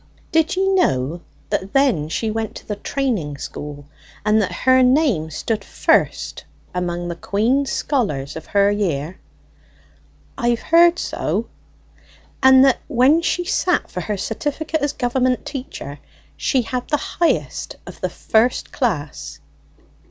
Did ye know that then she went to the training school, and that her name stood first among the Queen's scholars of her year?" "I've heard so." "And that when she sat for her certificate as Government teacher, she had the highest of the first class?"